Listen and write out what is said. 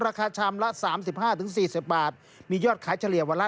ราคาชามละสามสิบห้าถึงสี่สิบบาทมียอดขายเฉลี่ยวันละ